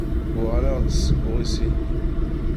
Uɣaleɣ-d seg uɣisiṉni.